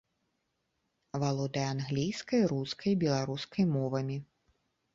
Валодае англійскай, рускай і беларускай мовамі.